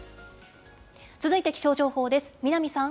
続いて、気象情報です。